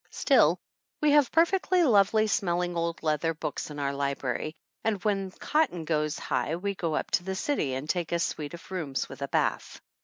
Still, we have perfectly lovely smelling old leather books in our library, and when cotton goes high we go up to the city and take a suite of rooms with a bath.